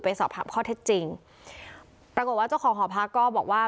สอบถามข้อเท็จจริงปรากฏว่าเจ้าของหอพักก็บอกว่า